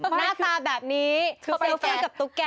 หน้าตาแบบนี้คือเซลฟี่กับตุ๊กแก